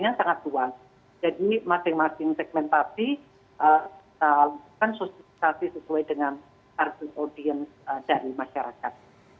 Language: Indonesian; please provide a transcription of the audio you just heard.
kita lakukan sosialisasi sesuai dengan target audience dari masyarakat